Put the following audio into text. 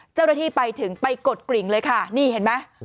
เจ้าหน้าที่ไปถึงไปกดกริ่งเลยค่ะนี่เห็นไหม